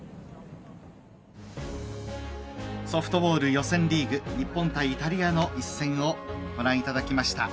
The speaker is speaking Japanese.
ソフトボール予選リーグ日本対イタリアの一戦をご覧いただきました。